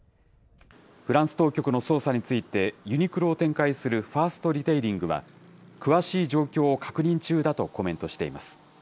フランス当局の捜査について、ユニクロを展開するファーストリテイリングは、詳しい状況を確認中だとコメントしています。